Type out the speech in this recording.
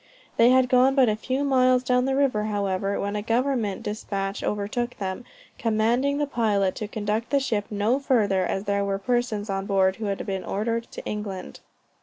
They had got but a few miles down the river, however, when a government despatch overtook them, commanding the pilot to conduct the ship no further, as there were persons on board who had been ordered to England.